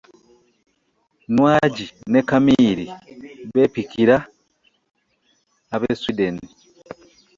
Nwagi ne Kamiiri bepikira ab'e Sweden